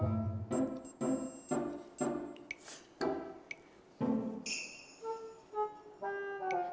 aduh sama ngerang